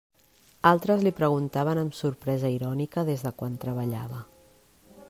Altres li preguntaven amb sorpresa irònica des de quan treballava.